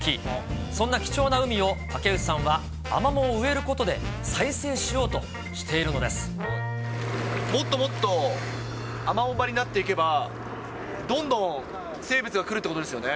そんな貴重な海を竹内さんはアマモを植えることで、再生しようともっともっと、アマモ場になっていけば、どんどん生物が来るっていうことですよ